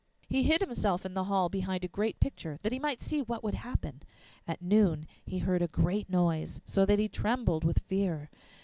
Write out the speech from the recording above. He hid himself in the hall behind a great picture, that he might see what would happen. At noon he heard a great noise, so that he trembled with fear.